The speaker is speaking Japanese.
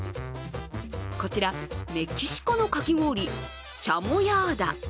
こちら、メキシコのかき氷、チャモヤーダ。